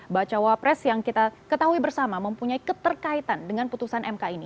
bacawa pres yang kita ketahui bersama mempunyai keterkaitan dengan putusan mk ini